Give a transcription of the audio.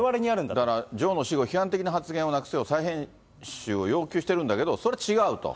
だから女王の死後、批判的な発言をなくすよう、再編集を要求してるんだけれども、それ違うと。